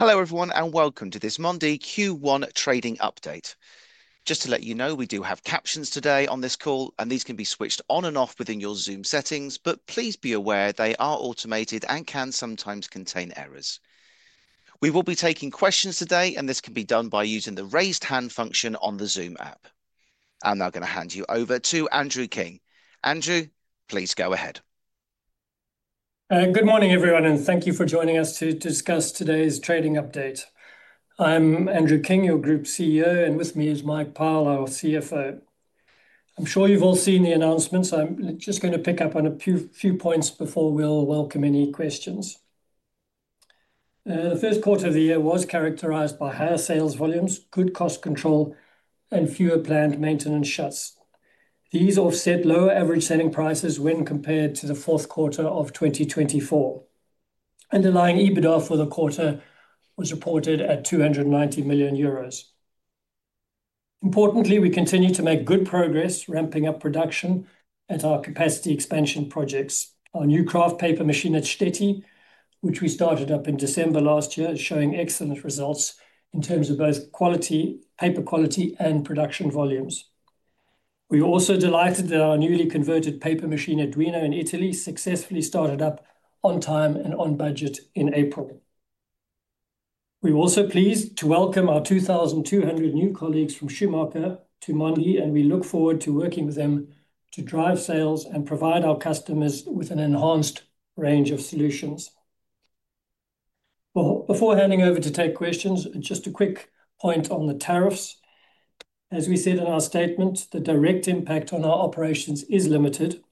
Hello everyone, and welcome to this Mondi Q1 trading update. Just to let you know, we do have captions today on this call, and these can be switched on and off within your Zoom settings, but please be aware they are automated and can sometimes contain errors. We will be taking questions today, and this can be done by using the raised hand function on the Zoom app. I'm now going to hand you over to Andrew King. Andrew, please go ahead. Good morning, everyone, and thank you for joining us to discuss today's trading update. I'm Andrew King, your Group CEO, and with me is Mike Powell, our CFO. I'm sure you've all seen the announcements, so I'm just going to pick up on a few points before we'll welcome any questions. The first quarter of the year was characterized by higher sales volumes, good cost control, and fewer planned maintenance shuts. These offset lower average selling prices when compared to the fourth quarter of 2024. Underlying EBITDA for the quarter was reported at 290 million euros. Importantly, we continue to make good progress, ramping up production at our capacity expansion projects. Our new kraft paper machine at Štětí, which we started up in December last year, is showing excellent results in terms of both paper quality and production volumes. We are also delighted that our newly converted paper machine at Duino in Italy successfully started up on time and on budget in April. We're also pleased to welcome our 2,200 new colleagues from Schumacher to Mondi, and we look forward to working with them to drive sales and provide our customers with an enhanced range of solutions. Before handing over to take questions, just a quick point on the tariffs. As we said in our statement, the direct impact on our operations is limited,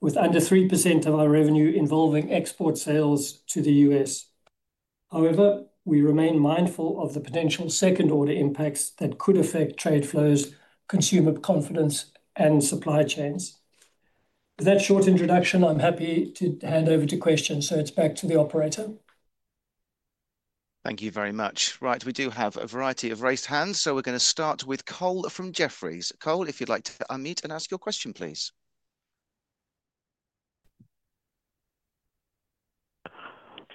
with under 3% of our revenue involving export sales to the US. However, we remain mindful of the potential second-order impacts that could affect trade flows, consumer confidence, and supply chains. With that short introduction, I'm happy to hand over to questions, so it's back to the operator. Thank you very much. Right, we do have a variety of raised hands, so we're going to start with Cole from Jefferies. Cole, if you'd like to unmute and ask your question, please.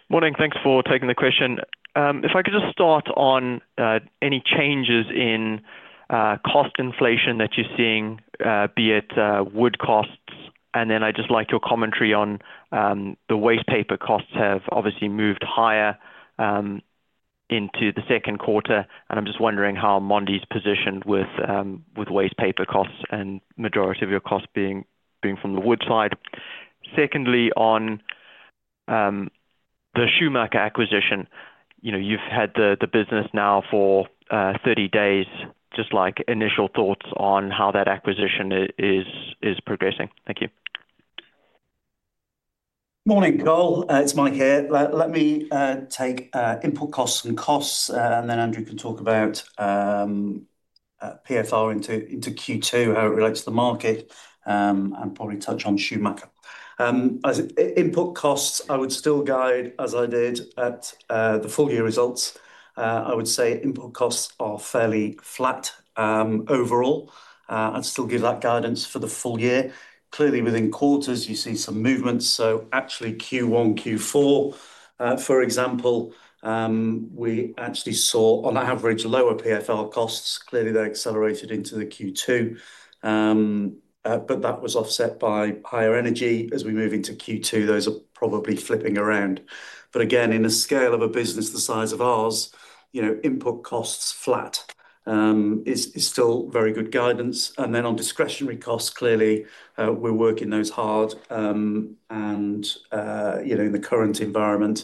Morning, thanks for taking the question. If I could just start on any changes in cost inflation that you're seeing, be it wood costs. I'd just like your commentary on the waste paper costs have obviously moved higher into the second quarter, and I'm just wondering how Mondi's positioned with waste paper costs and the majority of your costs being from the wood side. Secondly, on the Schumacher acquisition, you've had the business now for 30 days. Just like initial thoughts on how that acquisition is progressing? Thank you. Morning, Cole. It's Mike here. Let me take input costs and costs, and then Andrew can talk about PFR into Q2, how it relates to the market, and probably touch on Schumacher. Input costs, I would still guide as I did at the full year results. I would say input costs are fairly flat overall. I'd still give that guidance for the full year. Clearly, within quarters, you see some movements. Actually, Q1, Q4, for example, we actually saw on average lower PFR costs. Clearly, they accelerated into the Q2, but that was offset by higher energy. As we move into Q2, those are probably flipping around. Again, in a scale of a business the size of ours, input costs flat is still very good guidance. We're working those hard on discretionary costs and in the current environment,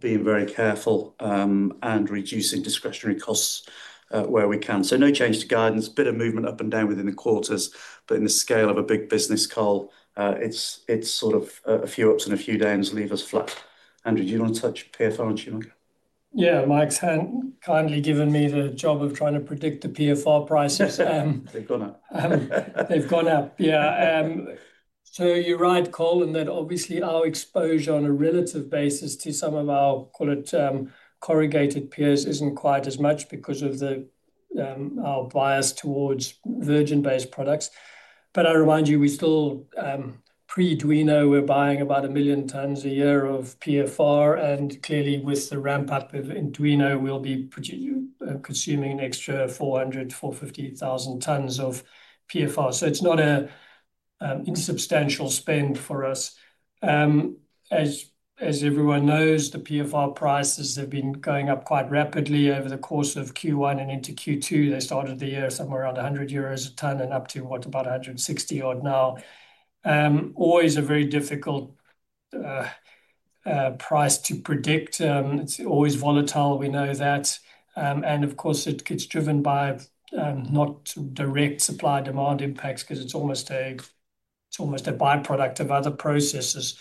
being very careful and reducing discretionary costs where we can. No change to guidance, a bit of movement up and down within the quarters, but in the scale of a big business, Cole, it's sort of a few ups and a few downs leave us flat. Andrew, do you want to touch PFR and Schumacher? Yeah, Mike's kindly given me the job of trying to predict the PFR prices. They've gone up. They've gone up, yeah. You're right, Cole, and obviously our exposure on a relative basis to some of our, call it corrugated peers, isn't quite as much because of our bias towards virgin-based products. I remind you, we still, pre-Duino, were buying about 1 million tons a year of PFR, and clearly with the ramp-up in Duino, we'll be consuming an extra 400,000-450,000 tons of PFR. It's not an insubstantial spend for us. As everyone knows, the PFR prices have been going up quite rapidly over the course of Q1 and into Q2. They started the year somewhere around 100 euros a ton and up to, what, about 160 now. Always a very difficult price to predict. It's always volatile; we know that. Of course, it's driven by not direct supply-demand impacts because it's almost a byproduct of other processes.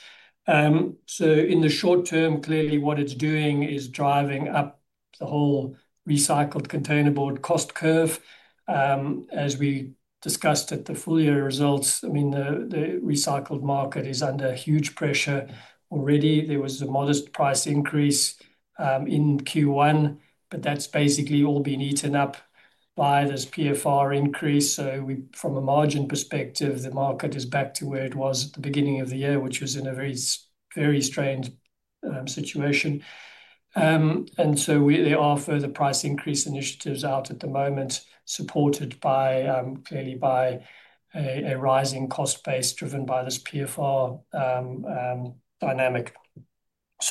In the short term, clearly what it's doing is driving up the whole recycled containerboard cost curve. As we discussed at the full-year results, I mean, the recycled market is under huge pressure already. There was a modest price increase in Q1, but that's basically all been eaten up by this PFR increase. From a margin perspective, the market is back to where it was at the beginning of the year, which was in a very strange situation. There are further price increase initiatives out at the moment, supported clearly by a rising cost base driven by this PFR dynamic.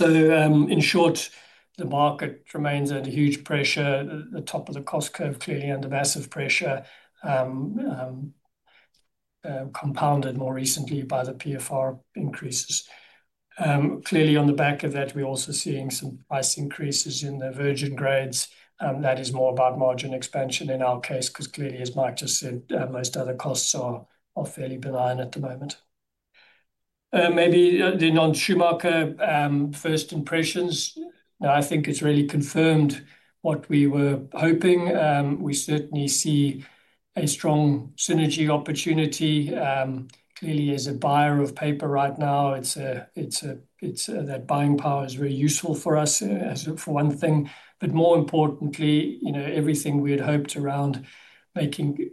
In short, the market remains under huge pressure. The top of the cost curve is clearly under massive pressure, compounded more recently by the PFR increases. Clearly, on the back of that, we're also seeing some price increases in the virgin grades. That is more about margin expansion in our case, because clearly, as Mike just said, most other costs are fairly benign at the moment. Maybe the non-Schumacher first impressions. Now, I think it has really confirmed what we were hoping. We certainly see a strong synergy opportunity. Clearly, as a buyer of paper right now, that buying power is very useful for us, for one thing. More importantly, everything we had hoped around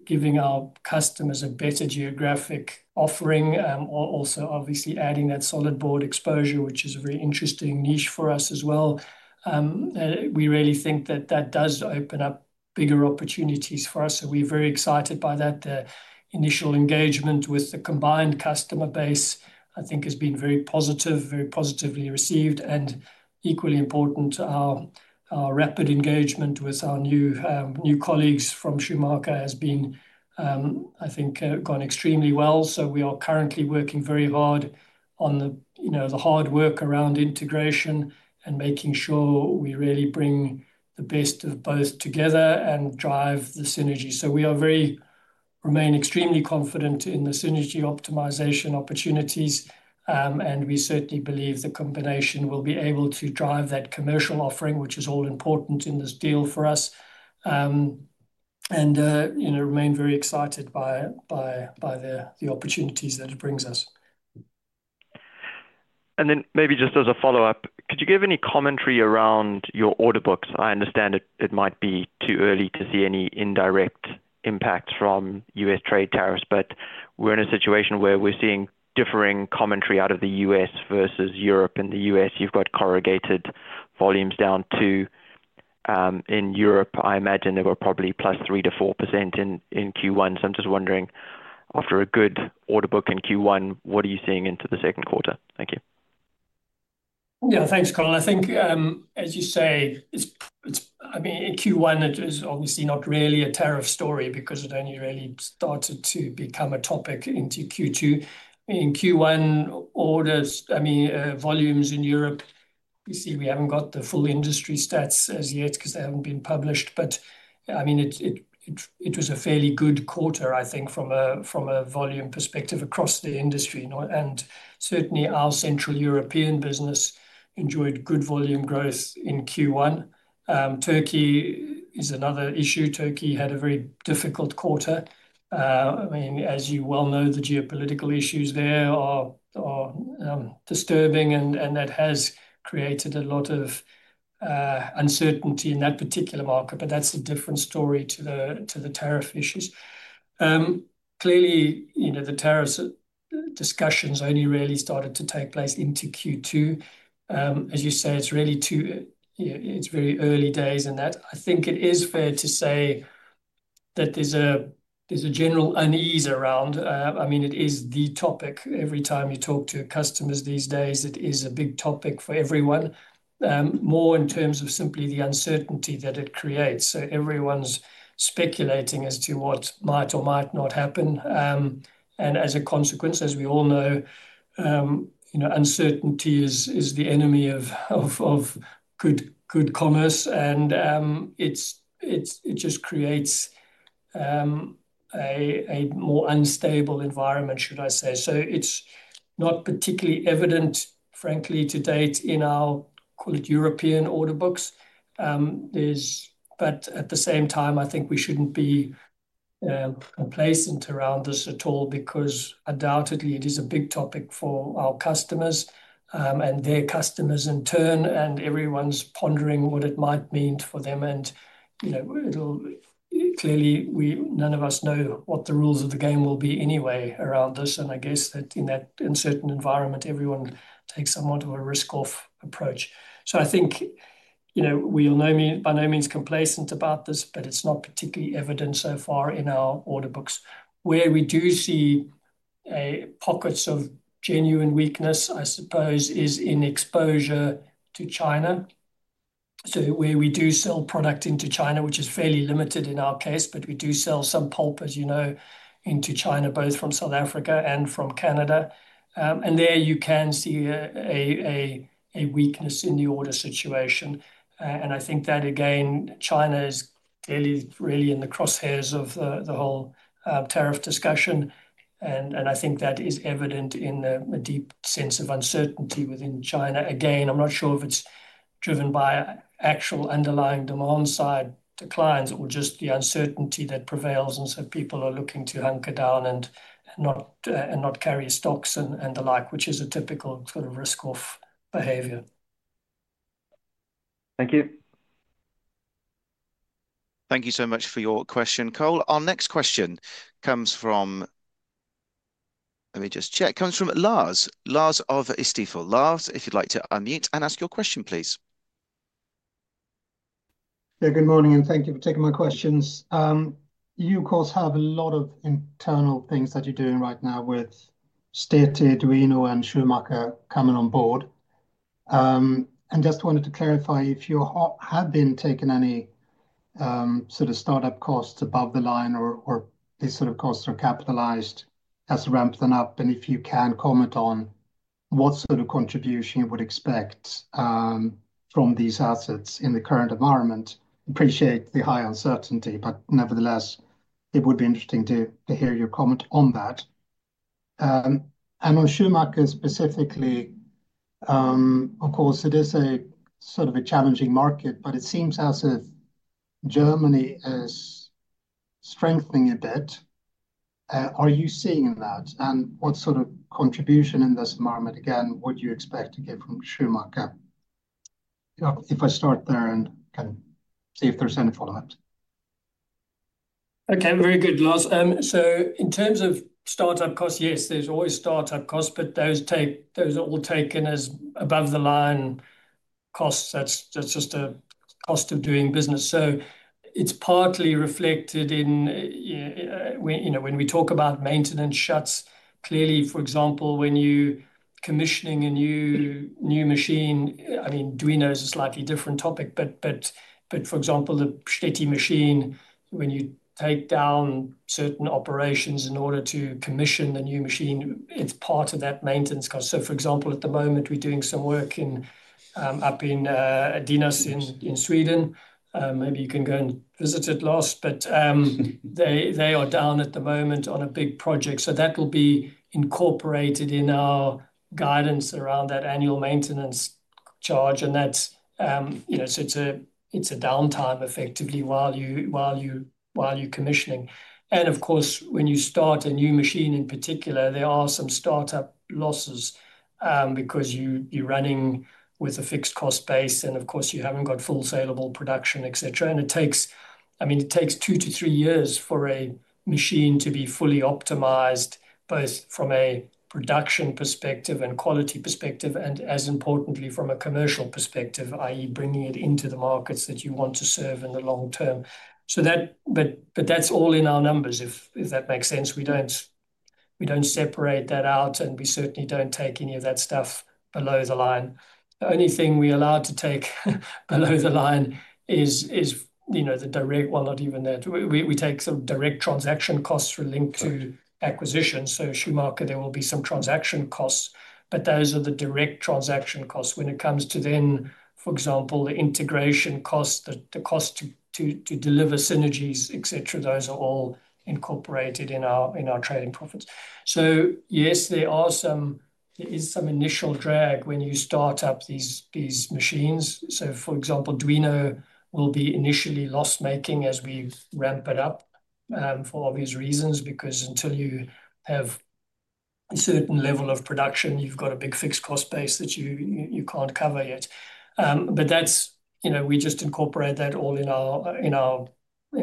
giving our customers a better geographic offering, also obviously adding that solid board exposure, which is a very interesting niche for us as well. We really think that that does open up bigger opportunities for us. We are very excited by that. The initial engagement with the combined customer base, I think, has been very positive, very positively received, and equally important, our rapid engagement with our new colleagues from Schumacher has been, I think, gone extremely well. We are currently working very hard on the hard work around integration and making sure we really bring the best of both together and drive the synergy. We remain extremely confident in the synergy optimization opportunities, and we certainly believe the combination will be able to drive that commercial offering, which is all-important in this deal for us, and remain very excited by the opportunities that it brings us. Maybe just as a follow-up, could you give any commentary around your order books? I understand it might be too early to see any indirect impact from U.S. trade tariffs, but we're in a situation where we're seeing differing commentary out of the U.S. versus Europe. In the U.S., you've got corrugated volumes down too. In Europe, I imagine they were probably plus 3% to 4% in Q1. I'm just wondering, after a good order book in Q1, what are you seeing into the second quarter? Thank you. Yeah, thanks, Cole. I think, as you say, I mean, in Q1, it was obviously not really a tariff story because it only really started to become a topic into Q2. In Q1, orders, I mean, volumes in Europe, we see we have not got the full industry stats as yet because they have not been published. I mean, it was a fairly good quarter, I think, from a volume perspective across the industry. Certainly, our Central European business enjoyed good volume growth in Q1. Turkey is another issue. Turkey had a very difficult quarter. I mean, as you well know, the geopolitical issues there are disturbing, and that has created a lot of uncertainty in that particular market, but that is a different story to the tariff issues. Clearly, the tariff discussions only really started to take place into Q2. As you say, it is really too early days in that. I think it is fair to say that there's a general unease around. I mean, it is the topic. Every time you talk to customers these days, it is a big topic for everyone, more in terms of simply the uncertainty that it creates. Everyone's speculating as to what might or might not happen. As a consequence, as we all know, uncertainty is the enemy of good commerce, and it just creates a more unstable environment, should I say. It is not particularly evident, frankly, to date in our, call it, European order books. At the same time, I think we shouldn't be complacent around this at all because undoubtedly, it is a big topic for our customers and their customers in turn, and everyone's pondering what it might mean for them. Clearly, none of us know what the rules of the game will be anyway around this. I guess that in that uncertain environment, everyone takes somewhat of a risk-off approach. I think we are by no means complacent about this, but it's not particularly evident so far in our order books. Where we do see pockets of genuine weakness, I suppose, is in exposure to China. Where we do sell product into China, which is fairly limited in our case, but we do sell some pulp, as you know, into China, both from South Africa and from Canada. There you can see a weakness in the order situation. I think that, again, China is clearly really in the crosshairs of the whole tariff discussion. I think that is evident in a deep sense of uncertainty within China. Again, I'm not sure if it's driven by actual underlying demand-side declines or just the uncertainty that prevails. People are looking to hunker down and not carry stocks and the like, which is a typical sort of risk-off behavior. Thank you. Thank you so much for your question, Cole. Our next question comes from, let me just check, comes from Lars of Stifel. Lars, if you'd like to unmute and ask your question, please. Yeah, good morning, and thank you for taking my questions. You, of course, have a lot of internal things that you're doing right now with Štětí, Duino, and Schumacher coming on board. I just wanted to clarify if you have been taking any sort of startup costs above the line or if these sort of costs are capitalized as you ramp them up, and if you can comment on what sort of contribution you would expect from these assets in the current environment. I appreciate the high uncertainty, but nevertheless, it would be interesting to hear your comment on that. On Schumacher specifically, of course, it is a sort of a challenging market, but it seems as if Germany is strengthening a bit. Are you seeing that? What sort of contribution in this environment, again, would you expect to get from Schumacher? If I start there and can see if there's any follow-up. Okay, very good, Lars. In terms of startup costs, yes, there's always startup costs, but those are all taken as above-the-line costs. That's just a cost of doing business. It's partly reflected in when we talk about maintenance shuts. Clearly, for example, when you're commissioning a new machine—I mean, Duino is a slightly different topic, but for example, the Štětí machine, when you take down certain operations in order to commission the new machine, it's part of that maintenance cost. For example, at the moment, we're doing some work up in Sweden. Maybe you can go and visit it, Lars, but they are down at the moment on a big project. That will be incorporated in our guidance around that annual maintenance charge. It's a downtime, effectively, while you're commissioning. Of course, when you start a new machine in particular, there are some startup losses because you're running with a fixed cost base, and of course, you haven't got full-salable production, etc. It takes, I mean, it takes two to three years for a machine to be fully optimized, both from a production perspective and quality perspective, and as importantly, from a commercial perspective, i.e., bringing it into the markets that you want to serve in the long term. That's all in our numbers, if that makes sense. We don't separate that out, and we certainly don't take any of that stuff below the line. The only thing we're allowed to take below the line is the direct, well, not even that. We take sort of direct transaction costs relinquished to acquisition. Schumacher, there will be some transaction costs, but those are the direct transaction costs. When it comes to then, for example, the integration costs, the cost to deliver synergies, etc., those are all incorporated in our trading profits. Yes, there is some initial drag when you start up these machines. For example, Duino will be initially loss-making as we ramp it up for obvious reasons, because until you have a certain level of production, you have a big fixed cost base that you cannot cover yet. We just incorporate that all in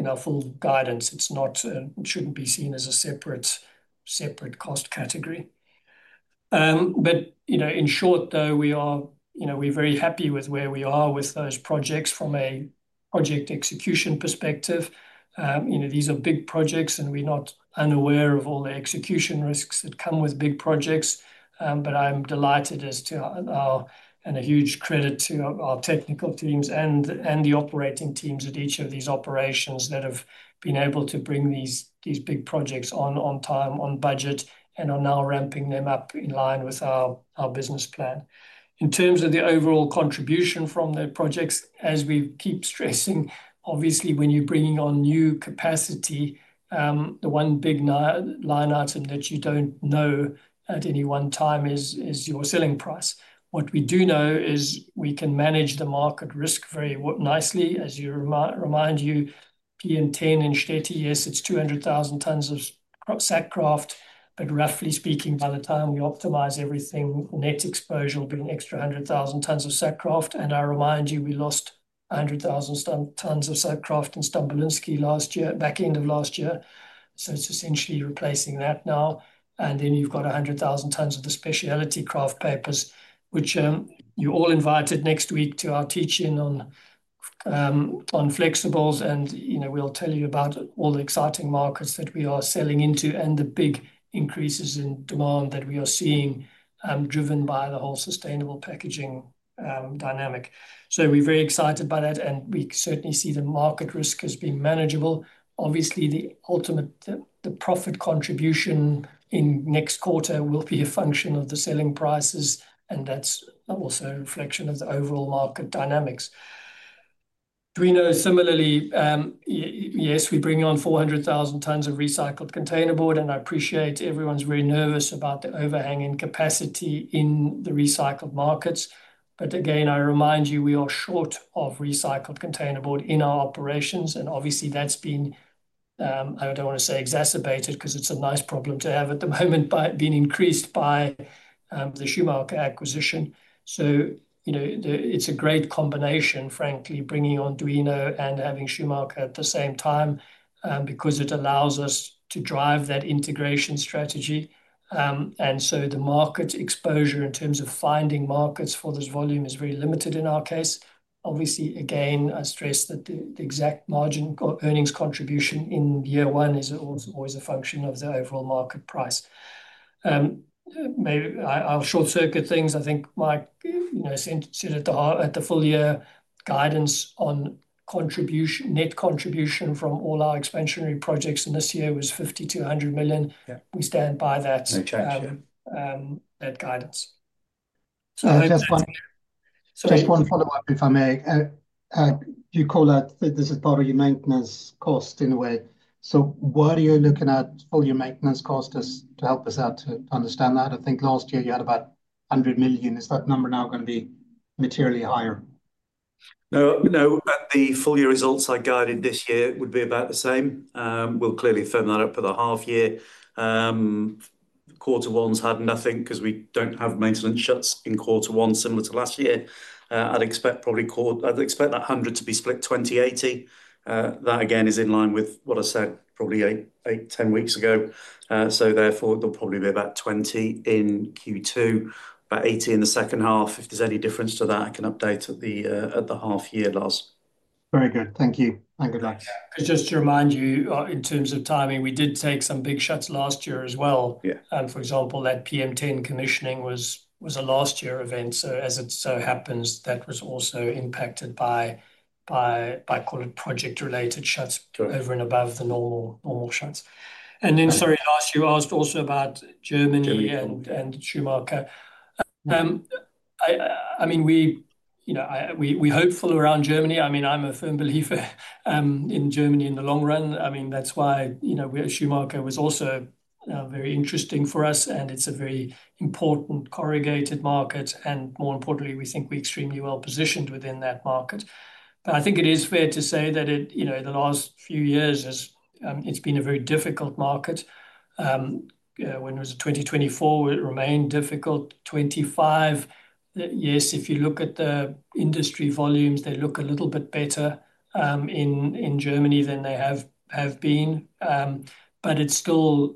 our full guidance. It should not be seen as a separate cost category. In short, though, we are very happy with where we are with those projects from a project execution perspective. These are big projects, and we are not unaware of all the execution risks that come with big projects. I'm delighted, and a huge credit to our technical teams and the operating teams at each of these operations that have been able to bring these big projects on time, on budget and are now ramping them up in line with our business plan. In terms of the overall contribution from the projects, as we keep stressing, obviously, when you're bringing on new capacity, the one big line item that you do not know at any one time is your selling price. What we do know is we can manage the market risk very nicely. As you remind you, P&T and Štětí, yes, it's 200,000 tonnes of sack kraft. But roughly speaking, by the time we optimize everything, net exposure will be an extra 100,000 tonnes of sack kraft. I remind you, we lost 100,000 tonnes of sack kraft in Stambolijski back end of last year. It's essentially replacing that now. You have 100,000 tonnes of the specialty kraft papers, which you are all invited next week to our teaching on flexibles. We will tell you about all the exciting markets that we are selling into and the big increases in demand that we are seeing driven by the whole sustainable packaging dynamic. We are very excited by that, and we certainly see the market risk as being manageable. Obviously, the profit contribution in next quarter will be a function of the selling prices, and that is also a reflection of the overall market dynamics. Duino, similarly, yes, we bring on 400,000 tonnes of recycled containerboard, and I appreciate everyone is very nervous about the overhanging capacity in the recycled markets. Again, I remind you, we are short of recycled containerboard in our operations, and obviously, that's been, I don't want to say exacerbated, because it's a nice problem to have at the moment—being increased by the Schumacher acquisition. It is a great combination, frankly, bringing on Duino and having Schumacher at the same time, because it allows us to drive that integration strategy. The market exposure in terms of finding markets for this volume is very limited in our case. Obviously, again, I stress that the exact margin earnings contribution in year one is always a function of the overall market price. I'll short-circuit things. I think Mike is interested that the full-year guidance on net contribution from all our expansionary projects in this year was 5,200 million. We stand by that guidance. Just one follow-up, if I may. You call that this is part of your maintenance cost in a way. What are you looking at for your maintenance costs to help us out to understand that? I think last year you had about 100 million. Is that number now going to be materially higher? No, the full-year results are guided this year would be about the same. We'll clearly firm that up for the half year. Quarter one has had nothing because we do not have maintenance shuts in quarter one, similar to last year. I'd expect probably that 100 to be split 20/80. That, again, is in line with what I said probably eight, ten weeks ago. Therefore, there will probably be about 20 in Q2, about 80 in the second half. If there is any difference to that, I can update at the half year, Lars. Very good. Thank you. Thank you, Lars. Just to remind you, in terms of timing, we did take some big shots last year as well. For example, that PM10 commissioning was a last-year event. As it so happens, that was also impacted by, call it, project-related shots over and above the normal shots. Sorry, last year, you asked also about Germany and Schumacher. I mean, we're hopeful around Germany. I mean, I'm a firm believer in Germany in the long run. I mean, that's why Schumacher was also very interesting for us, and it's a very important corrugated market. More importantly, we think we're extremely well positioned within that market. I think it is fair to say that in the last few years, it's been a very difficult market. When it was 2024, it remained difficult. Yes, if you look at the industry volumes, they look a little bit better in Germany than they have been. It is still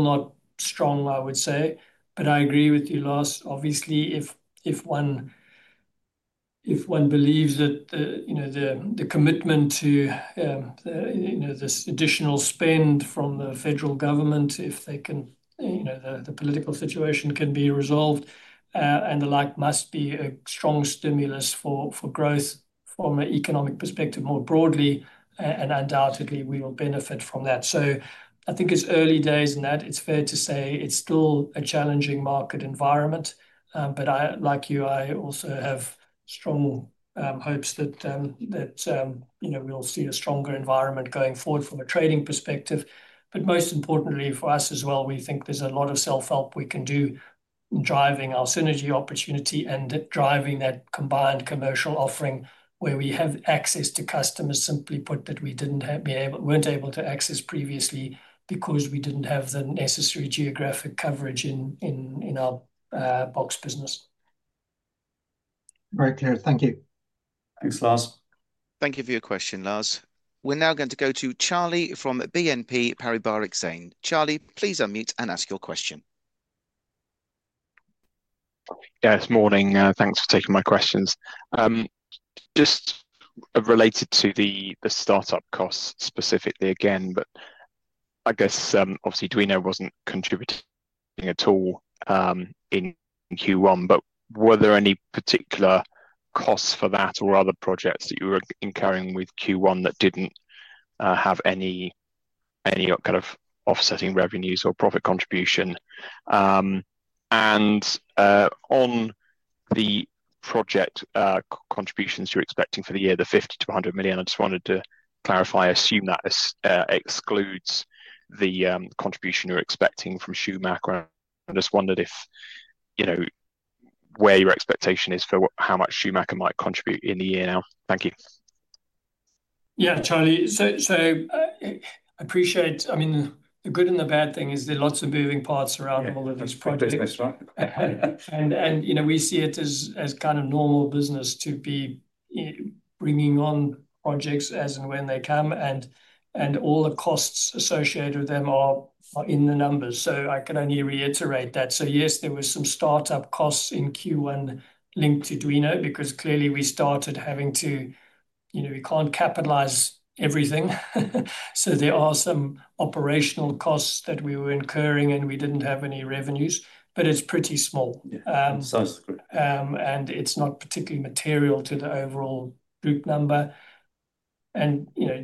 not strong, I would say. I agree with you, Lars. Obviously, if one believes that the commitment to this additional spend from the federal government, if the political situation can be resolved and the like, must be a strong stimulus for growth from an economic perspective more broadly, and undoubtedly, we will benefit from that. I think it is early days in that. It is fair to say it is still a challenging market environment. Like you, I also have strong hopes that we will see a stronger environment going forward from a trading perspective. Most importantly for us as well, we think there's a lot of self-help we can do in driving our synergy opportunity and driving that combined commercial offering where we have access to customers, simply put, that we weren't able to access previously because we didn't have the necessary geographic coverage in our box business. Very clear. Thank you. Thanks, Lars. Thank you for your question, Lars. We're now going to go to Charlie from BNP Paribas Retain. Charlie, please unmute and ask your question. Yeah, it's morning. Thanks for taking my questions. Just related to the startup costs specifically again, I guess, obviously, Duino wasn't contributing at all in Q1. Were there any particular costs for that or other projects that you were incurring in Q1 that didn't have any kind of offsetting revenues or profit contribution? On the project contributions you're expecting for the year, the 50 - 100 million, I just wanted to clarify, I assume that excludes the contribution you're expecting from Schumacher. I just wondered where your expectation is for how much Schumacher might contribute in the year now. Thank you. Yeah, Charlie. I appreciate, I mean, the good and the bad thing is there are lots of moving parts around all of these projects. We see it as kind of normal business to be bringing on projects as and when they come, and all the costs associated with them are in the numbers. I can only reiterate that. Yes, there were some startup costs in Q1 linked to Duino because clearly we started having to, we can't capitalize everything. There are some operational costs that we were incurring, and we did not have any revenues, but it is pretty small. It is not particularly material to the overall group number.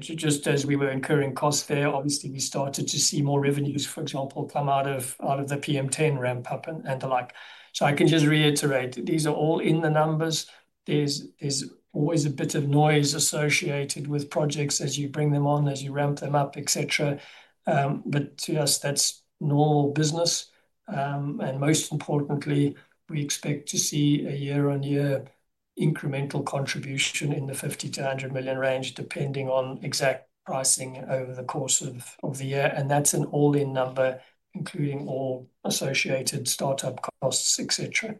Just as we were incurring costs there, obviously, we started to see more revenues, for example, come out of the PM10 ramp-up and the like. I can just reiterate, these are all in the numbers. There's always a bit of noise associated with projects as you bring them on, as you ramp them up, etc. To us, that's normal business. Most importantly, we expect to see a year-on-year incremental contribution in the 50 million-100 million range, depending on exact pricing over the course of the year. That's an all-in number, including all associated startup costs, etc.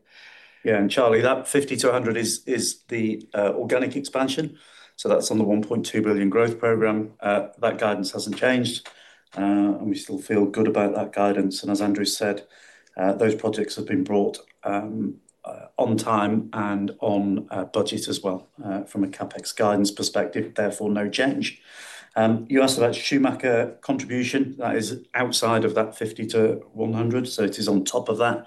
Yeah. Charlie, that 50-100 is the organic expansion. That is on the 1.2 billion growth programme. That guidance has not changed, and we still feel good about that guidance. As Andrew said, those projects have been brought on time and on budget as well from a CapEx guidance perspective. Therefore, no change. You asked about Schumacher contribution. That is outside of that 50-100. It is on top of that.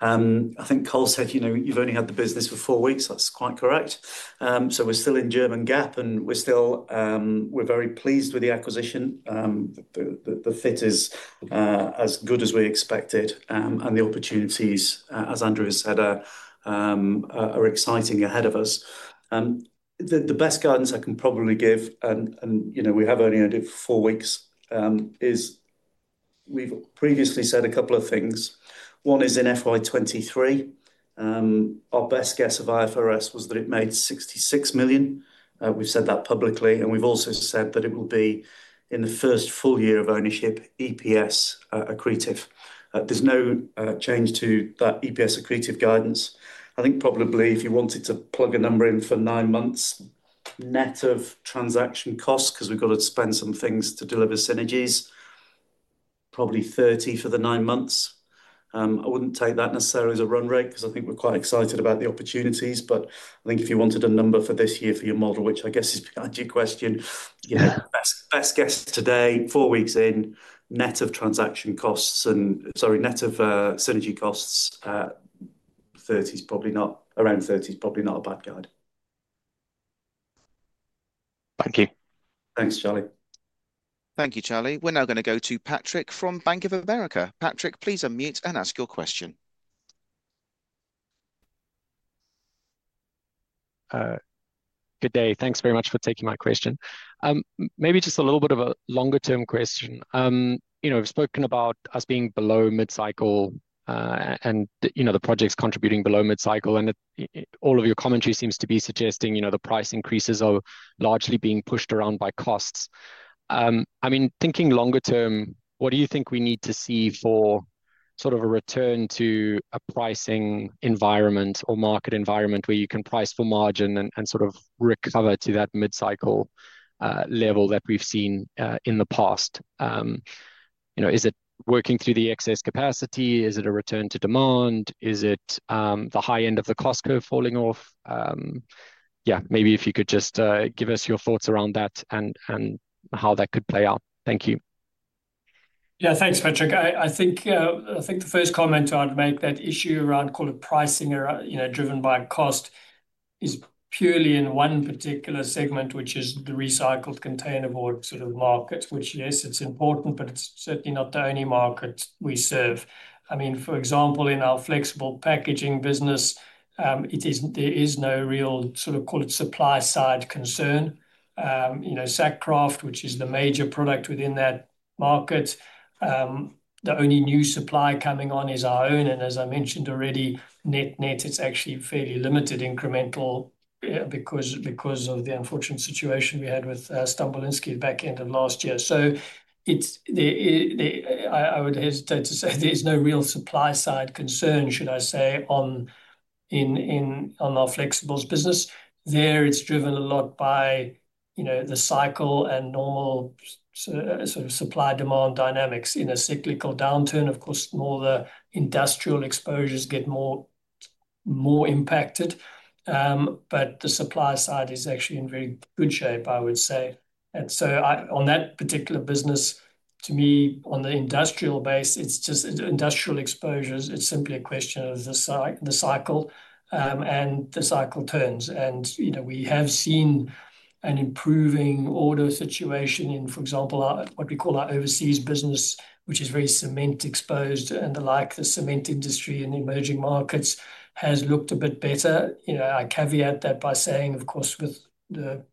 I think Cole said you have only had the business for four weeks. That is quite correct. We are still in German GAAP, and we are very pleased with the acquisition. The fit is as good as we expected, and the opportunities, as Andrew has said, are exciting ahead of us. The best guidance I can probably give, and we have only had it for four weeks, is we have previously said a couple of things. One is in FY2023, our best guess of IFRS was that it made 66 million. We've said that publicly, and we've also said that it will be, in the first full year of ownership, EPS accretive. There's no change to that EPS accretive guidance. I think probably if you wanted to plug a number in for nine months, net of transaction costs, because we've got to spend some things to deliver synergies, probably 30 million for the nine months. I wouldn't take that necessarily as a run rate because I think we're quite excited about the opportunities. If you wanted a number for this year for your model, which I guess is behind your question, best guess today, four weeks in, net of transaction costs and, sorry, net of synergy costs, 30 million is probably not a bad guide. Thank you. Thanks, Charlie. Thank you, Charlie. We're now going to go to Patrick from Bank of America. Patrick, please unmute and ask your question. Good day. Thanks very much for taking my question. Maybe just a little bit of a longer-term question. We've spoken about us being below mid-cycle and the projects contributing below mid-cycle. All of your commentary seems to be suggesting the price increases are largely being pushed around by costs. I mean, thinking longer-term, what do you think we need to see for sort of a return to a pricing environment or market environment where you can price for margin and sort of recover to that mid-cycle level that we've seen in the past? Is it working through the excess capacity? Is it a return to demand? Is it the high end of the cost curve falling off? Yeah, maybe if you could just give us your thoughts around that and how that could play out. Thank you. Yeah, thanks, Patrick. I think the first comment I'd make, that issue around, call it, pricing driven by cost is purely in one particular segment, which is the recycled containerboard sort of markets, which, yes, it's important, but it's certainly not the only market we serve. I mean, for example, in our flexible packaging business, there is no real sort of, call it, supply-side concern. Sack kraft, which is the major product within that market, the only new supply coming on is our own. And as I mentioned already, net net, it's actually fairly limited incremental because of the unfortunate situation we had with Štětí at the back end of last year. So I would hesitate to say there's no real supply-side concern, should I say, on our flexibles business. There, it's driven a lot by the cycle and normal sort of supply-demand dynamics in a cyclical downturn. Of course, more the industrial exposures get more impacted, but the supply side is actually in very good shape, I would say. On that particular business, to me, on the industrial base, it's just industrial exposures. It's simply a question of the cycle, and the cycle turns. We have seen an improving order situation in, for example, what we call our overseas business, which is very cement-exposed and the like. The cement industry and emerging markets has looked a bit better. I caveat that by saying, of course, with the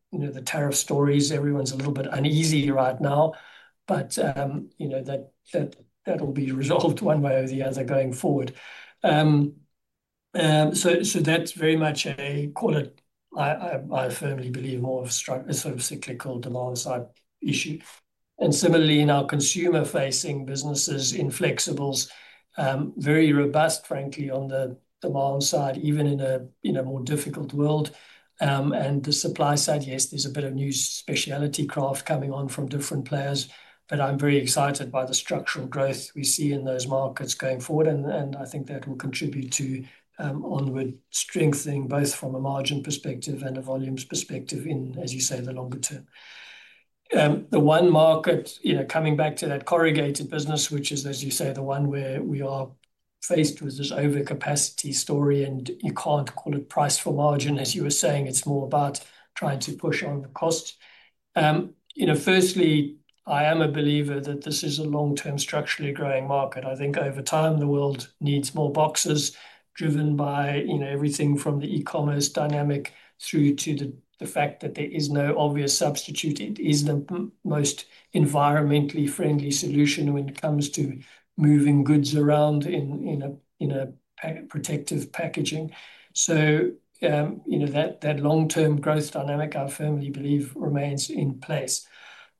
tariff stories, everyone's a little bit uneasy right now, but that'll be resolved one way or the other going forward. That's very much a, call it, I firmly believe, more of a sort of cyclical demand-side issue. Similarly, in our consumer-facing businesses in flexibles, very robust, frankly, on the demand side, even in a more difficult world. The supply side, yes, there is a bit of new specialty kraft coming on from different players, but I am very excited by the structural growth we see in those markets going forward. I think that will contribute to onward strengthening both from a margin perspective and a volumes perspective in, as you say, the longer term. The one market, coming back to that corrugated business, which is, as you say, the one where we are faced with this overcapacity story, and you cannot call it price for margin, as you were saying. It is more about trying to push on the cost. Firstly, I am a believer that this is a long-term structurally growing market. I think over time, the world needs more boxes driven by everything from the e-commerce dynamic through to the fact that there is no obvious substitute. It is the most environmentally friendly solution when it comes to moving goods around in a protective packaging. That long-term growth dynamic, I firmly believe, remains in place.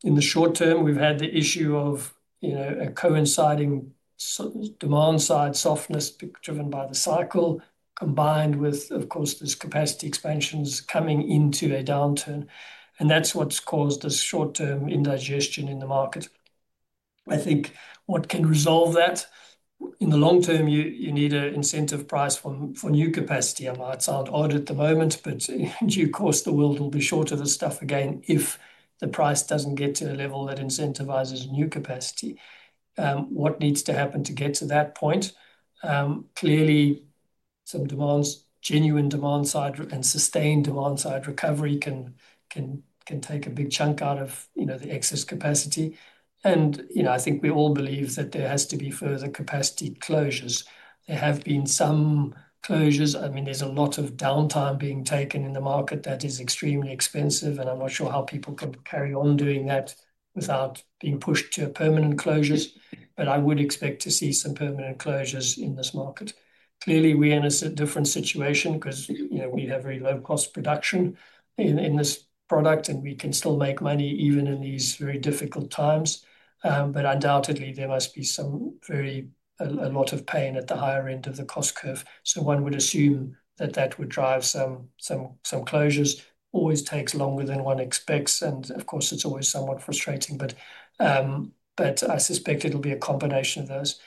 In the short term, we've had the issue of a coinciding demand-side softness driven by the cycle combined with, of course, this capacity expansions coming into a downturn. That's what's caused this short-term indigestion in the market. I think what can resolve that in the long term, you need an incentive price for new capacity. It might sound odd at the moment, but in due course, the world will be short of this stuff again if the price doesn't get to a level that incentivizes new capacity. What needs to happen to get to that point? Clearly, some genuine demand-side and sustained demand-side recovery can take a big chunk out of the excess capacity. I think we all believe that there has to be further capacity closures. There have been some closures. I mean, there's a lot of downtime being taken in the market that is extremely expensive, and I'm not sure how people can carry on doing that without being pushed to permanent closures. I would expect to see some permanent closures in this market. Clearly, we're in a different situation because we have very low-cost production in this product, and we can still make money even in these very difficult times. Undoubtedly, there must be a lot of pain at the higher end of the cost curve. One would assume that that would drive some closures. Always takes longer than one expects. Of course, it's always somewhat frustrating. I suspect it'll be a combination of those.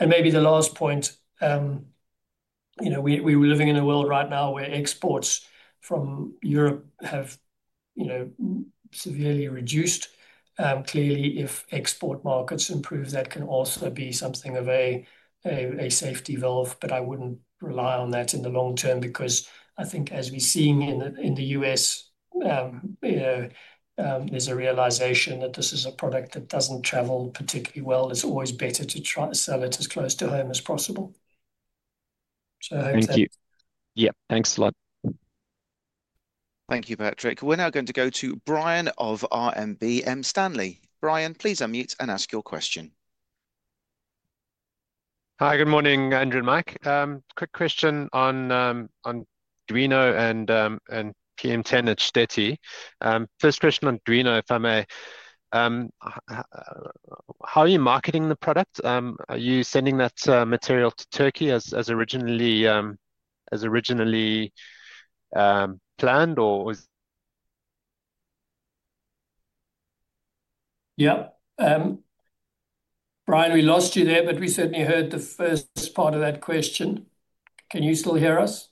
Maybe the last point, we are living in a world right now where exports from Europe have severely reduced. Clearly, if export markets improve, that can also be something of a safety valve. I would not rely on that in the long term because I think, as we are seeing in the U.S., there is a realization that this is a product that does not travel particularly well. It is always better to try to sell it as close to home as possible. I hope that. Thank you. Yeah, thanks a lot. Thank you, Patrick. We're now going to go to Brian of RMB M Stanley. Brian, please unmute and ask your question. Hi, good morning, Andrew and Mike. Quick question on Duino and PM10 at Štětí. First question on Duino, if I may. How are you marketing the product? Are you sending that material to Turkey as originally planned or? Yeah. Brian, we lost you there, but we certainly heard the first part of that question. Can you still hear us?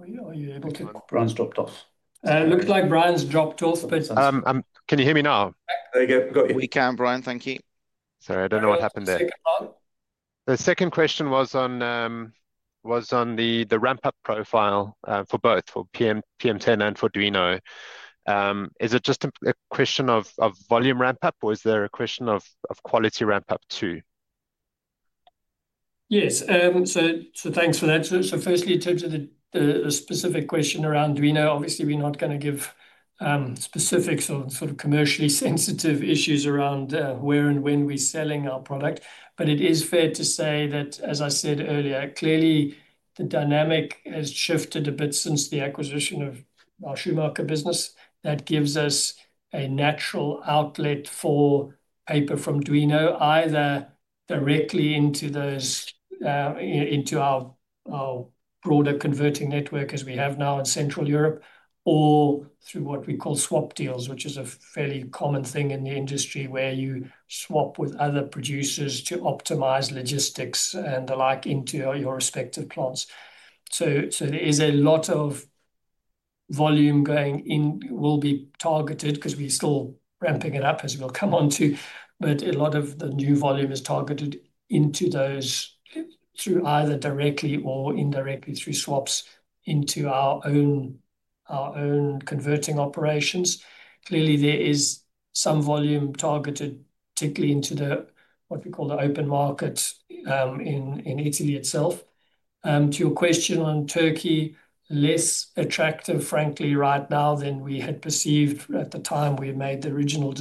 Are you able to? Brian's dropped off. Looks like Brian Morgan's dropped off, but. Can you hear me now? We can, Brian. Thank you. Sorry, I don't know what happened there. The second question was on the ramp-up profile for both, for PM10 and for Duino. Is it just a question of volume ramp-up, or is there a question of quality ramp-up too? Yes. Thanks for that. Firstly, in terms of the specific question around Duino, obviously, we're not going to give specifics on sort of commercially sensitive issues around where and when we're selling our product. It is fair to say that, as I said earlier, clearly, the dynamic has shifted a bit since the acquisition of our Schumacher business. That gives us a natural outlet for paper from Duino, either directly into our broader converting network as we have now in Central Europe or through what we call swap deals, which is a fairly common thing in the industry where you swap with other producers to optimize logistics and the like into your respective plants. There is a lot of volume going in, will be targeted because we're still ramping it up as we'll come on to, but a lot of the new volume is targeted into those through either directly or indirectly through swaps into our own converting operations. Clearly, there is some volume targeted particularly into what we call the open market in Italy itself. To your question on Turkey, less attractive, frankly, right now than we had perceived at the time we made the original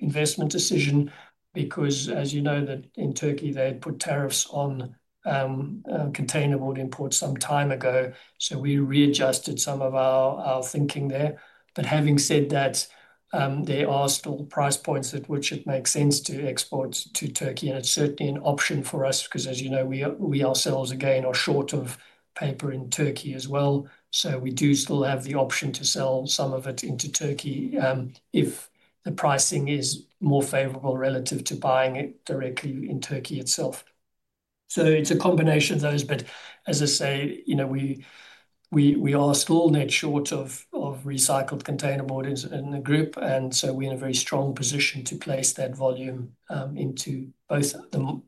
investment decision because, as you know, in Turkey, they had put tariffs on containerboard imports some time ago. We readjusted some of our thinking there. Having said that, there are still price points at which it makes sense to export to Turkey. It is certainly an option for us because, as you know, we ourselves, again, are short of paper in Turkey as well. We do still have the option to sell some of it into Turkey if the pricing is more favorable relative to buying it directly in Turkey itself. It is a combination of those. As I say, we are still net short of recycled containerboard in the group. We are in a very strong position to place that volume into both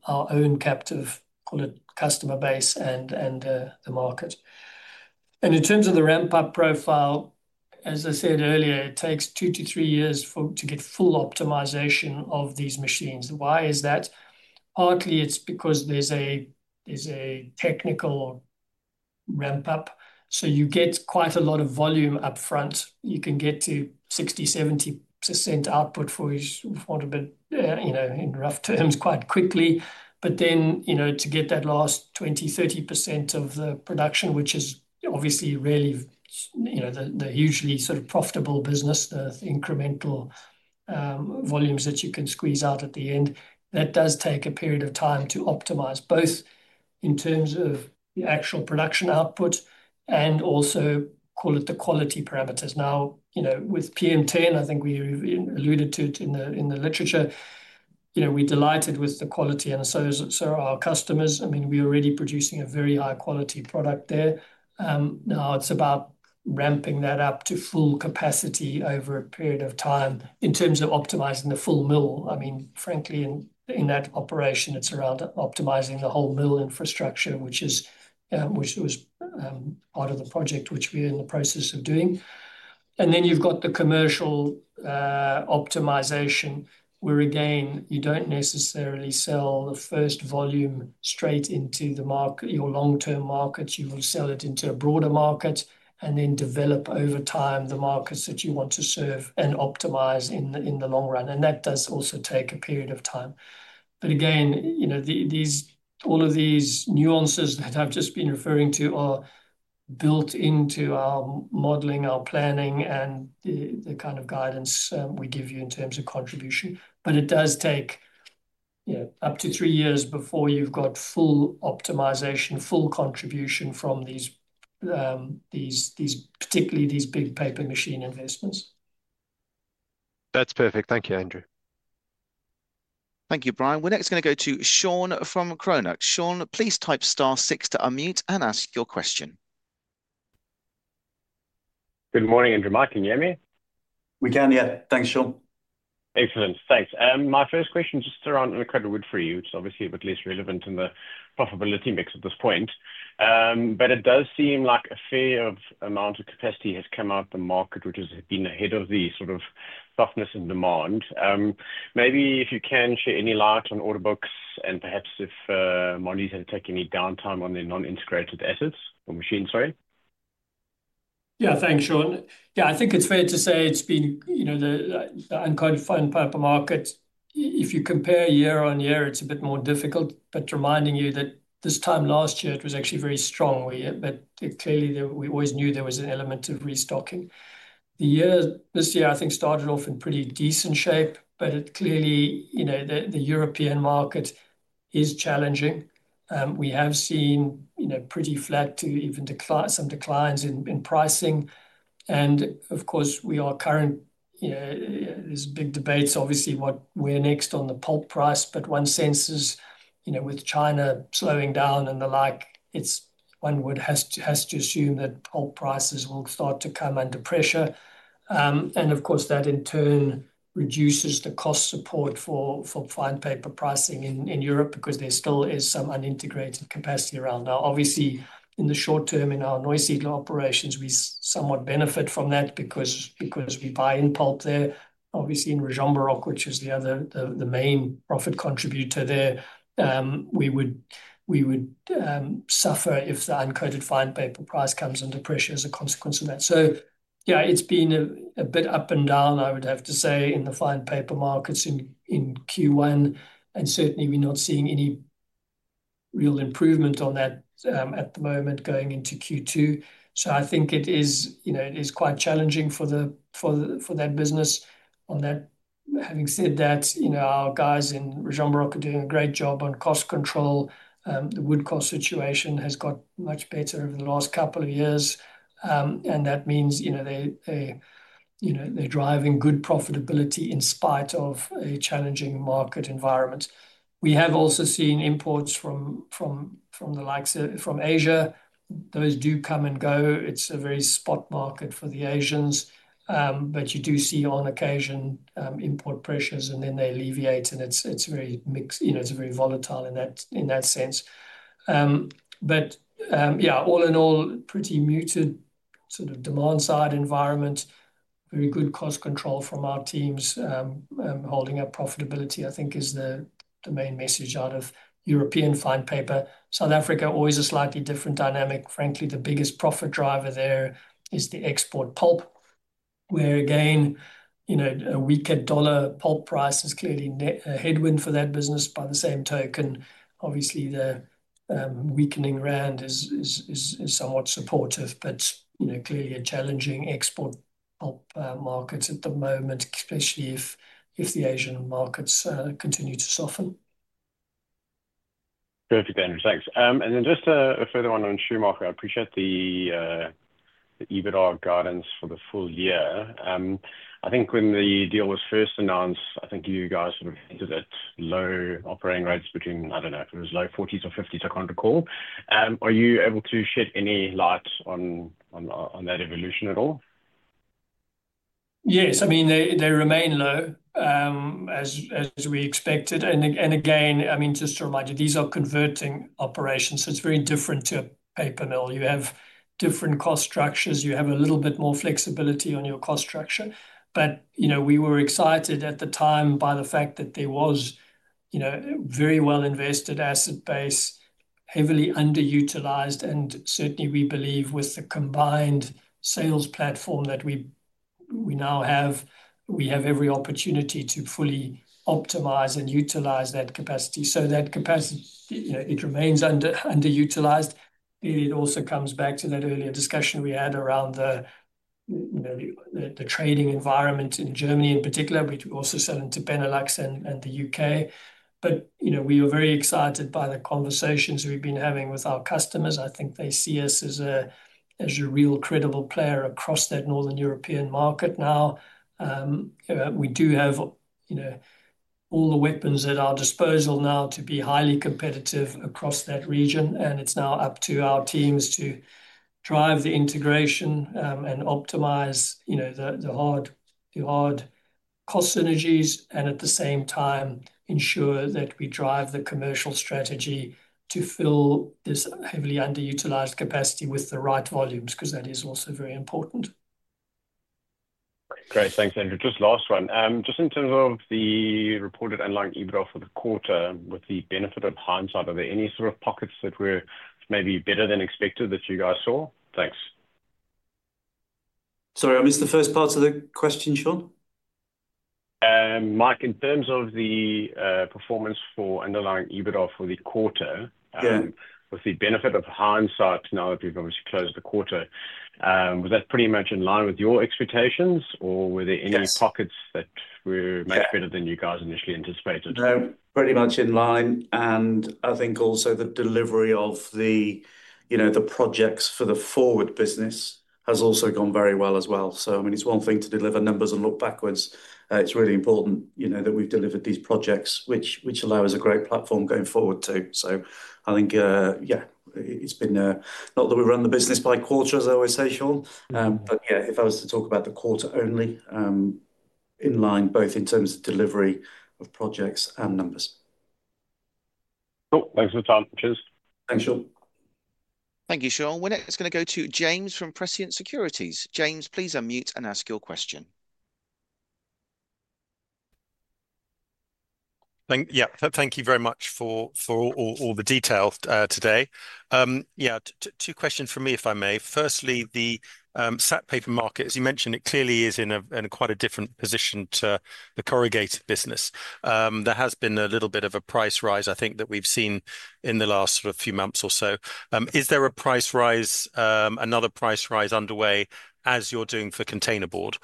our own captive, call it, customer base and the market. In terms of the ramp-up profile, as I said earlier, it takes two to three years to get full optimization of these machines. Why is that? Partly, it is because there is a technical ramp-up. You get quite a lot of volume upfront. You can get to 60-70% output for, in rough terms, quite quickly. But then to get that last 20-30% of the production, which is obviously really the hugely sort of profitable business, the incremental volumes that you can squeeze out at the end, that does take a period of time to optimize both in terms of the actual production output and also, call it, the quality parameters. Now, with PM10, I think we alluded to it in the literature, we're delighted with the quality. And so are our customers. I mean, we're already producing a very high-quality product there. Now, it's about ramping that up to full capacity over a period of time in terms of optimizing the full mill. I mean, frankly, in that operation, it's around optimizing the whole mill infrastructure, which was part of the project which we're in the process of doing. You have the commercial optimization, where again, you do not necessarily sell the first volume straight into your long-term market. You will sell it into a broader market and then develop over time the markets that you want to serve and optimize in the long run. That does also take a period of time. All of these nuances that I have just been referring to are built into our modeling, our planning, and the kind of guidance we give you in terms of contribution. It does take up to three years before you have full optimization, full contribution from particularly these big paper machine investments. That's perfect. Thank you, Andrew. Thank you, Brian. We're next going to go to Sean from Chronux. Sean, please type star six to unmute and ask your question. Good morning, Andrew. Mike, can you hear me? We can, yeah. Thanks, Sean. Excellent. Thanks. My first question just to run on a credit word for you. It's obviously a bit less relevant in the profitability mix at this point. It does seem like a fair amount of capacity has come out of the market, which has been ahead of the sort of softness in demand. Maybe if you can share any light on order books and perhaps if Mondi's had to take any downtime on their non-integrated assets or machines, sorry. Yeah, thanks, Sean. Yeah, I think it's fair to say it's been the uncoated paper market. If you compare year on year, it's a bit more difficult. Reminding you that this time last year, it was actually very strong. Clearly, we always knew there was an element of restocking. This year, I think, started off in pretty decent shape, but clearly, the European market is challenging. We have seen pretty flat to even some declines in pricing. Of course, we are current, there's big debates, obviously, what we're next on the pulp price. One senses with China slowing down and the like, one would have to assume that pulp prices will start to come under pressure. Of course, that in turn reduces the cost support for fine paper pricing in Europe because there still is some unintegrated capacity around now. Obviously, in the short term, in our Neusiedler operations, we somewhat benefit from that because we buy in pulp there. Obviously, in Raubling, which is the main profit contributor there, we would suffer if the uncoated fine paper price comes under pressure as a consequence of that. Yeah, it's been a bit up and down, I would have to say, in the fine paper markets in Q1. Certainly, we're not seeing any real improvement on that at the moment going into Q2. I think it is quite challenging for that business. Having said that, our guys in Raubling are doing a great job on cost control. The wood cost situation has got much better over the last couple of years. That means they're driving good profitability in spite of a challenging market environment. We have also seen imports from the likes of Asia. Those do come and go. It's a very spot market for the Asians. You do see on occasion import pressures, and then they alleviate. It's very mixed. It's very volatile in that sense. Yeah, all in all, pretty muted sort of demand-side environment, very good cost control from our teams. Holding up profitability, I think, is the main message out of European fine paper. South Africa, always a slightly different dynamic. Frankly, the biggest profit driver there is the export pulp, where again, a weaker dollar pulp price is clearly a headwind for that business. By the same token, obviously, the weakening rand is somewhat supportive, but clearly a challenging export pulp markets at the moment, especially if the Asian markets continue to soften. Perfect, Andrew. Thanks. Just a further one on Schumacher. I appreciate the EBITDA guidance for the full year. I think when the deal was first announced, you guys sort of hinted at low operating rates between, I do not know, if it was low 40s or 50s, I cannot recall. Are you able to shed any light on that evolution at all? Yes. I mean, they remain low as we expected. I mean, just to remind you, these are converting operations. It is very different to a paper mill. You have different cost structures. You have a little bit more flexibility on your cost structure. We were excited at the time by the fact that there was a very well-invested asset base, heavily underutilized. We believe with the combined sales platform that we now have, we have every opportunity to fully optimize and utilize that capacity. That capacity remains underutilized. It also comes back to that earlier discussion we had around the trading environment in Germany in particular. We also sell into Benelux and the U.K. We were very excited by the conversations we have been having with our customers. I think they see us as a real credible player across that northern European market now. We do have all the weapons at our disposal now to be highly competitive across that region. It is now up to our teams to drive the integration and optimize the hard cost synergies and at the same time ensure that we drive the commercial strategy to fill this heavily underutilized capacity with the right volumes because that is also very important. Great. Thanks, Andrew. Just last one. Just in terms of the reported underlying EBITDA for the quarter, with the benefit of hindsight, are there any sort of pockets that were maybe better than expected that you guys saw? Thanks. Sorry, I missed the first part of the question, Sean. Mike, in terms of the performance for underlying EBITDA for the quarter, with the benefit of hindsight now that we've obviously closed the quarter, was that pretty much in line with your expectations, or were there any pockets that were much better than you guys initially anticipated? No, pretty much in line. I think also the delivery of the projects for the forward business has also gone very well as well. I mean, it is one thing to deliver numbers and look backwards. It is really important that we have delivered these projects, which allow us a great platform going forward too. I think, yeah, it has been not that we run the business by quarter, as I always say, Sean. Yeah, if I was to talk about the quarter only, in line, both in terms of delivery of projects and numbers. Cool. Thanks for the time. Cheers. Thanks, Sean. Thank you, Sean. We're next going to go to James from Prescient Securities. James, please unmute and ask your question. Yeah, thank you very much for all the details today. Yeah, two questions for me, if I may. Firstly, the sack kraft paper market, as you mentioned, it clearly is in quite a different position to the corrugated business. There has been a little bit of a price rise, I think, that we've seen in the last sort of few months or so. Is there a price rise, another price rise underway as you're doing for containerboard?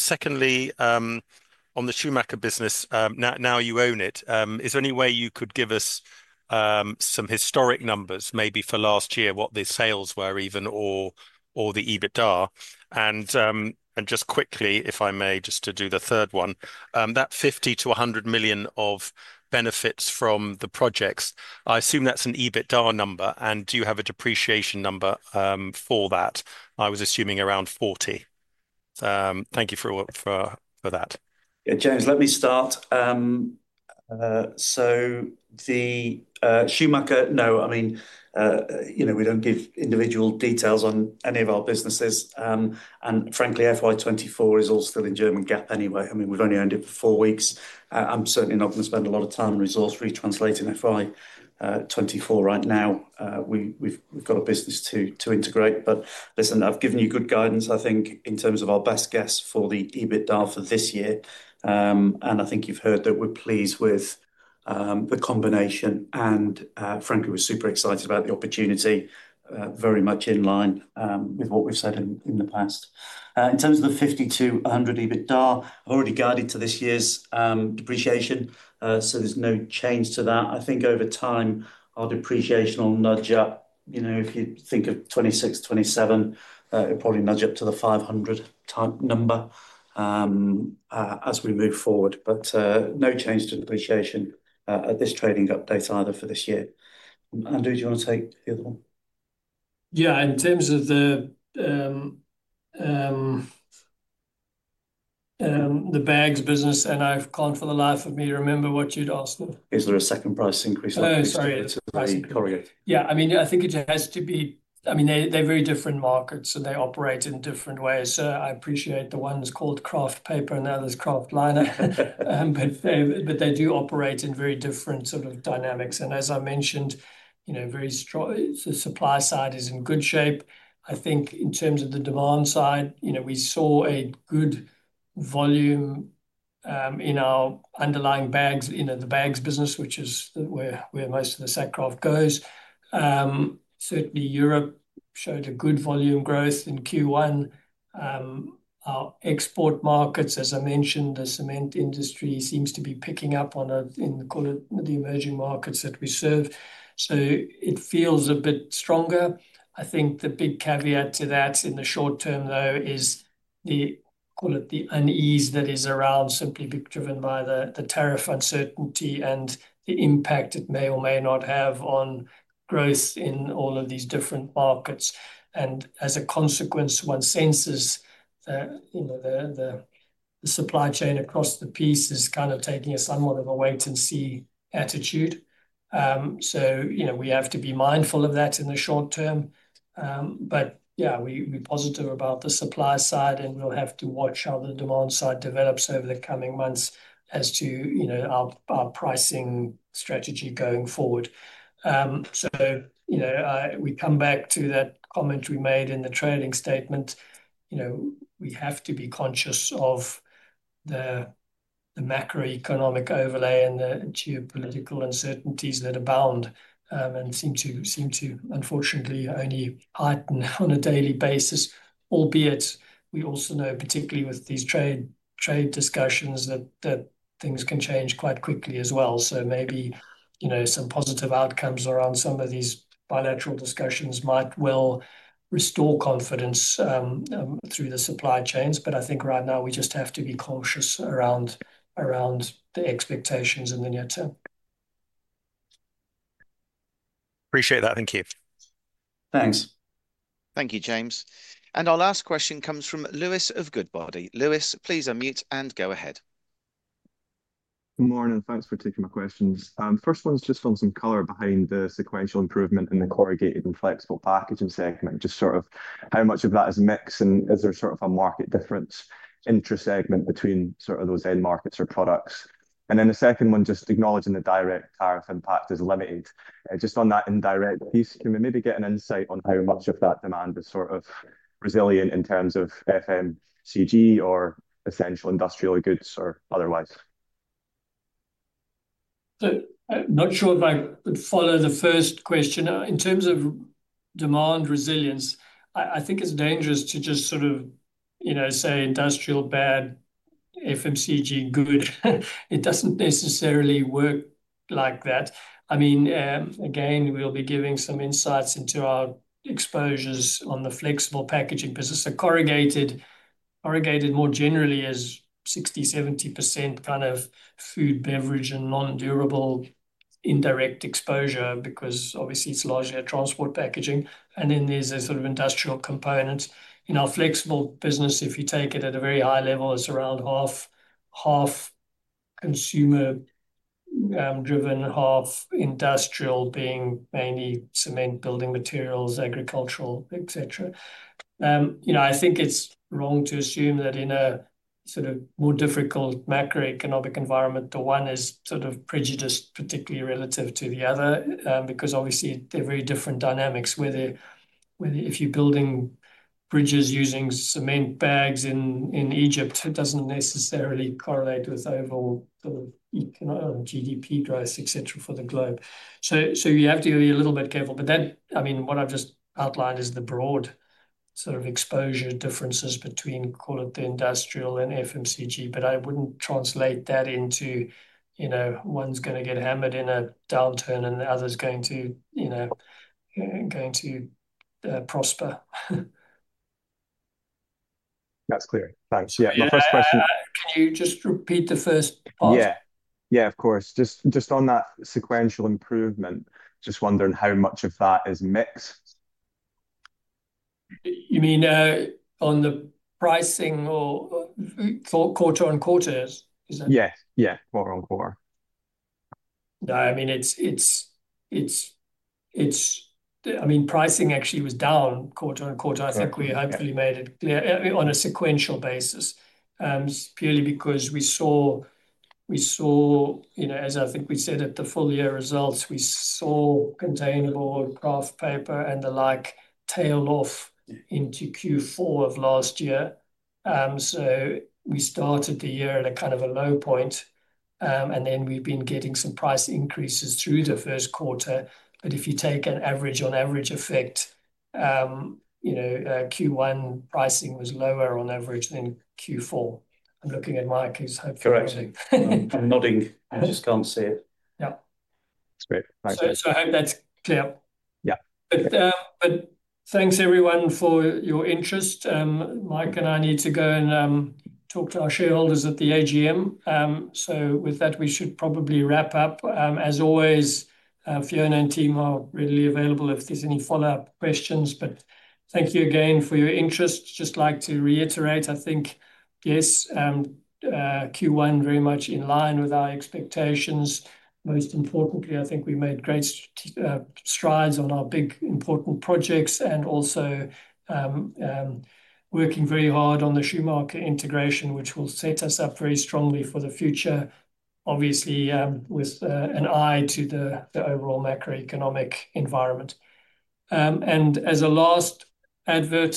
Secondly, on the Schumacher business, now you own it. Is there any way you could give us some historic numbers, maybe for last year, what the sales were even, or the EBITDA? And just quickly, if I may, just to do the third one, that 50-100 million of benefits from the projects, I assume that's an EBITDA number. Do you have a depreciation number for that? I was assuming around 40. Thank you for that. Yeah, James, let me start. The Schumacher, no, I mean, we do not give individual details on any of our businesses. Frankly, FY2024 is all still in German GAAP anyway. I mean, we have only owned it for four weeks. I am certainly not going to spend a lot of time and resource retranslating FY2024 right now. We have got a business to integrate. Listen, I have given you good guidance, I think, in terms of our best guess for the EBITDA for this year. I think you have heard that we are pleased with the combination. Frankly, we are super excited about the opportunity, very much in line with what we have said in the past. In terms of the 50 million - 100 million EBITDA, I have already guided to this year's depreciation. There is no change to that. I think over time, our depreciation will nudge up. If you think of 2026, 2027, it'll probably nudge up to the 500 type number as we move forward. No change to depreciation at this trading update either for this year. Andrew, do you want to take the other one? Yeah, in terms of the bags business, and I've gone for the life of me to remember what you'd asked for. Is there a second price increase? Oh, sorry. Yeah, I mean, I think it has to be, I mean, they're very different markets, and they operate in different ways. I appreciate that one is called kraft paper, and the other is kraft liner, but they do operate in very different sort of dynamics. As I mentioned, very strong, the supply side is in good shape. I think in terms of the demand side, we saw good volume in our underlying bags, the bags business, which is where most of the sack kraft goes. Certainly, Europe showed good volume growth in Q1. Our export markets, as I mentioned, the cement industry seems to be picking up in the emerging markets that we serve. It feels a bit stronger. I think the big caveat to that in the short term, though, is the unease that is around simply being driven by the tariff uncertainty and the impact it may or may not have on growth in all of these different markets. As a consequence, one senses the supply chain across the piece is kind of taking a somewhat of a wait-and-see attitude. We have to be mindful of that in the short term. Yeah, we're positive about the supply side, and we'll have to watch how the demand side develops over the coming months as to our pricing strategy going forward. We come back to that comment we made in the trading statement. We have to be conscious of the macroeconomic overlay and the geopolitical uncertainties that abound and seem to, unfortunately, only heighten on a daily basis. Albeit, we also know, particularly with these trade discussions, that things can change quite quickly as well. Maybe some positive outcomes around some of these bilateral discussions might well restore confidence through the supply chains. I think right now, we just have to be cautious around the expectations in the near term. Appreciate that. Thank you. Thanks. Thank you, James. Our last question comes from Lewis of Goodbody. Lewis, please unmute and go ahead. Good morning. Thanks for taking my questions. First one's just on some color behind the sequential improvement in the corrugated and flexible packaging segment, just sort of how much of that is mix and is there sort of a market difference inter-segment between sort of those end markets or products. The second one, just acknowledging the direct tariff impact is limited. Just on that indirect piece, can we maybe get an insight on how much of that demand is sort of resilient in terms of FMCG or essential industrial goods or otherwise? Not sure if I could follow the first question. In terms of demand resilience, I think it's dangerous to just sort of say industrial bad, FMCG good. It doesn't necessarily work like that. I mean, again, we'll be giving some insights into our exposures on the flexible packaging business. Corrugated, more generally, is 60-70% kind of food, beverage, and non-durable indirect exposure because obviously, it's largely a transport packaging. Then there's a sort of industrial component. In our flexible business, if you take it at a very high level, it's around half consumer-driven, half industrial, being mainly cement, building materials, agricultural, etc. I think it's wrong to assume that in a sort of more difficult macroeconomic environment, the one is sort of prejudiced, particularly relative to the other, because obviously, they're very different dynamics, whether if you're building bridges using cement bags in Egypt, it doesn't necessarily correlate with overall sort of GDP growth, etc., for the globe. You have to be a little bit careful. I mean, what I've just outlined is the broad sort of exposure differences between, call it the industrial and FMCG, but I wouldn't translate that into one's going to get hammered in a downturn and the other's going to prosper. That's clear. Thanks. Yeah, my first question. Can you just repeat the first part? Yeah. Yeah, of course. Just on that sequential improvement, just wondering how much of that is mixed? You mean on the pricing or quarter on quarter? Yes. Yeah, quarter on quarter. No, I mean, pricing actually was down quarter on quarter. I think we hopefully made it clear on a sequential basis purely because we saw, as I think we said at the full year results, we saw containerboard, kraft paper, and the like tail off into Q4 of last year. We started the year at a kind of a low point, and then we have been getting some price increases through the first quarter. If you take an average on average effect, Q1 pricing was lower on average than Q4. I am looking at Mike's hopefully. Correct. I'm nodding. I just can't see it. Yeah. That's great. Thanks, James. I hope that's clear. Yeah. Thanks, everyone, for your interest. Mike and I need to go and talk to our shareholders at the AGM. With that, we should probably wrap up. As always, Fiona and team are readily available if there are any follow-up questions. Thank you again for your interest. I would just like to reiterate, I think, yes, Q1 very much in line with our expectations. Most importantly, I think we made great strides on our big important projects and also working very hard on the Schumacher integration, which will set us up very strongly for the future, obviously, with an eye to the overall macroeconomic environment. As a last advert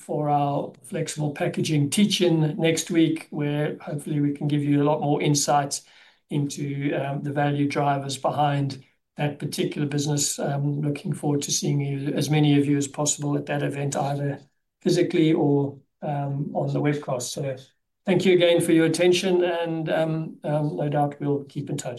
for our flexible packaging teach-in next week, hopefully we can give you a lot more insights into the value drivers behind that particular business. Looking forward to seeing as many of you as possible at that event, either physically or on the webcast. Thank you again for your attention, and no doubt we'll keep in touch.